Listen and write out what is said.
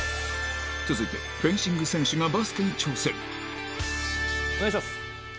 続いてフェンシング選手がバスケに挑戦お願いします。